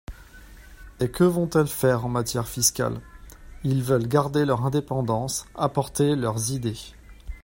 Et que vont-elles faire en matière fiscale ? Ils veulent garder leur indépendance, apporter leurs idées.